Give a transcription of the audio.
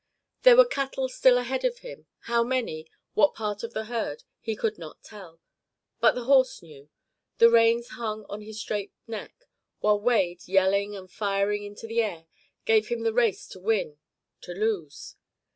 There were cattle still ahead of him; how many, what part of the herd, he could not tell. But the horse knew. The reins hung on his straight neck, while Wade, yelling and firing into the air, gave him the race to win, to lose.